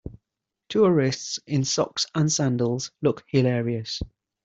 Tourists in socks and sandals look hilarious.